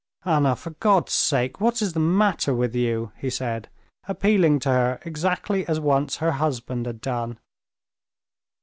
"Anna, for God's sake! what is the matter with you?" he said, appealing to her exactly as once her husband had done.